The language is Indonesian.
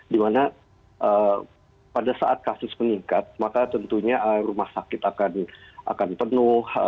dimana pada saat kasus meningkat maka tentunya rumah sakit akan penuh